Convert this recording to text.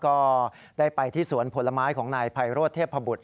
ก็ได้ไปที่สวนผลไม้ของนายไพโรธเทพบุตร